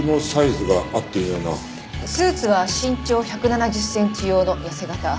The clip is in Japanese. スーツは身長１７０センチ用の痩せ型。